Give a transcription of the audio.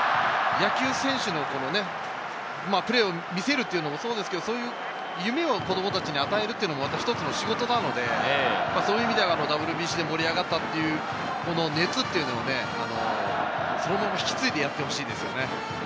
野球選手のプレーを見せるというのもそうですけど、夢を子供たちに与えるというのも一つの仕事なので、そういう意味ではＷＢＣで盛り上がったという熱というのをそのまま引き継いでやってほしいですね。